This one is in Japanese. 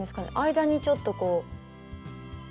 間にちょっとこう。